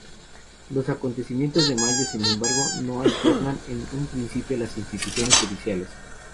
Los acontecimientos de Mayo sin embargo no alteran en un principio las instituciones judiciales.